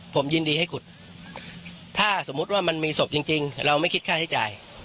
ผมยินดีให้ขุดถ้าสมมุติว่ามันมีศพจริงเราไม่คิดค่าใช้จ่าย